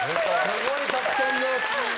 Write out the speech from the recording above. すごい得点です。